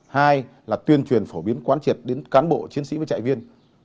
hai là tuyên truyền phổ biến quán triệt đến cán bộ chiến sĩ với trại viên